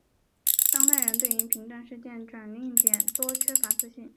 当代人对于评断事件转捩点多缺乏自信。